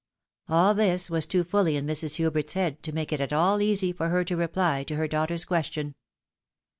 All this was too fully in Mrs. Hubert's head to make it at all easy for her to reply to her daughter's question.